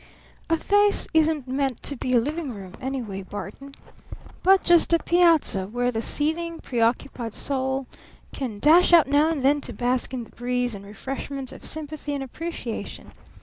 "A face isn't meant to be a living room, anyway, Barton, but just a piazza where the seething, preoccupied soul can dash out now and then to bask in the breeze and refreshment of sympathy and appreciation.